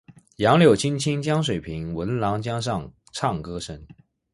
杨柳青青江水平，闻郎江上唱歌声。